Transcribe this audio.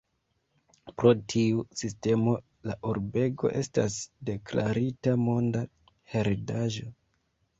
Pro tiu sistemo la urbego estas deklarita Monda Heredaĵo.